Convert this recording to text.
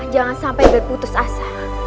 jangan sampai berputus asa